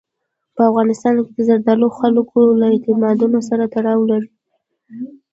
په افغانستان کې زردالو د خلکو له اعتقاداتو سره تړاو لري.